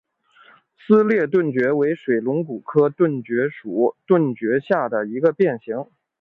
撕裂盾蕨为水龙骨科盾蕨属盾蕨下的一个变型。